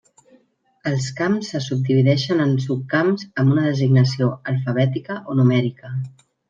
Els camps se subdivideixen en subcamps amb una designació alfabètica o numèrica.